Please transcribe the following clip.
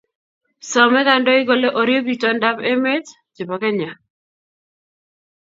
Same kandoik kolee orib indonab emet che bo kenya